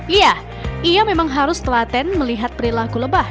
iya ia memang harus telaten melihat perilaku lebah